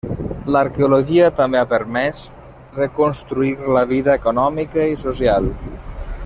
L'arqueologia també ha permès reconstruir la vida econòmica i social.